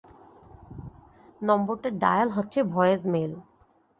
নম্বরটা ডায়াল হচ্ছে voice mail.